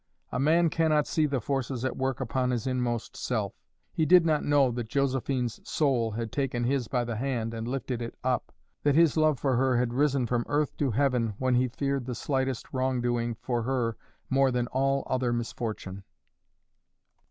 A man cannot see the forces at work upon his inmost self. He did not know that Josephine's soul had taken his by the hand and lifted it up that his love for her had risen from earth to heaven when he feared the slightest wrong doing for her more than all other misfortune.